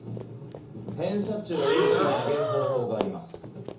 偏差値を一気に上げる方法があります。